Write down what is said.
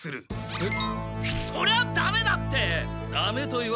えっ？